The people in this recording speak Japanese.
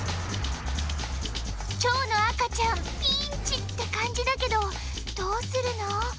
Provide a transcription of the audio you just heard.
「ちょうのあかちゃんピンチ！」ってかんじだけどどうするの？